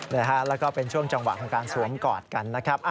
แล้วก็เป็นช่วงจังหวะของการสวมกอดกันนะครับ